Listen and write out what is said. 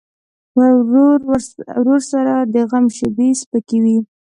ورور سره د غم شیبې سپکې وي.